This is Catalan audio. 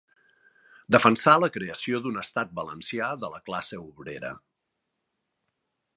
Defensà la creació d'un Estat Valencià de la classe obrera.